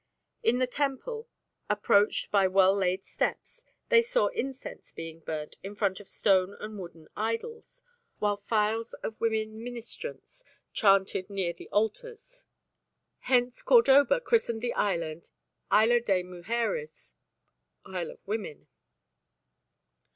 In the temple, approached by well laid steps, they saw incense being burnt in front of stone and wooden idols, while files of women ministrants chanted near the altars. Hence Cordoba christened the island "Isla de Mujeres" (Isle of Women).